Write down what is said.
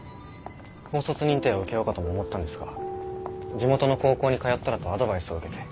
高卒認定を受けようかとも思ったんですが地元の高校に通ったらとアドバイスを受けて。